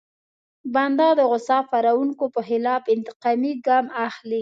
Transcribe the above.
بنده د غوسه پاروونکي په خلاف انتقامي ګام اخلي.